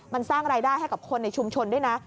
มันสร้างรายได้ให้กับคนในชุมชนด้วยนะ